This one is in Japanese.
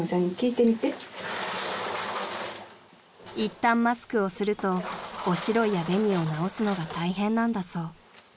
［いったんマスクをするとおしろいや紅を直すのが大変なんだそう］